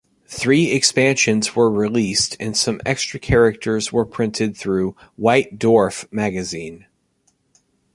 Three expansions were released and some extra characters were printed through "White Dwarf" magazine.